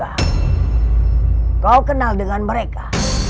kau kenal dengan mereka